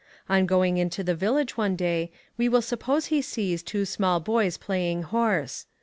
On going into the village one day, we will suppose he sees two small boys playing horse.